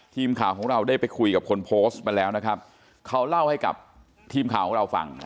ทีมข่าวของเราได้ไปคุยกับคนโพสต์มาแล้วนะครับเขาเล่าให้กับทีมข่าวของเราฟัง